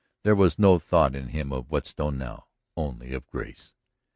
There was no thought in him of Whetstone now only of Grace.